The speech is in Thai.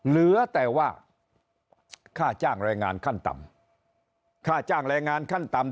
เหลือแต่ว่าค่าจ้างแรงงานขั้นต่ำ